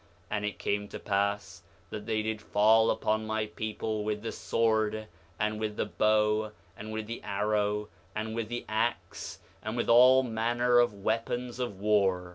6:9 And it came to pass that they did fall upon my people with the sword, and with the bow, and with the arrow, and with the ax, and with all manner of weapons of war.